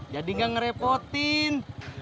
jadi gak ngerepotin